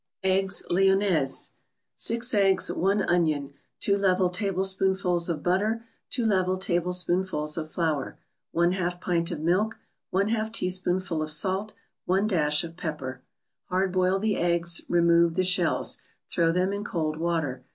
EGGS LYONNAISE 6 eggs 1 onion 2 level tablespoonfuls of butter 2 level tablespoonfuls of flour 1/2 pint of milk 1/2 teaspoonful of salt 1 dash of pepper Hard boil the eggs, remove the shells, throw them in cold water.